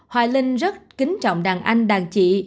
hoài linh rất kính trọng đàn anh đàn chị